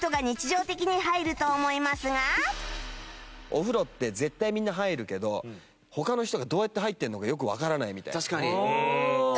お風呂って絶対みんな入るけど他の人がどうやって入ってるのかよくわからないみたいな。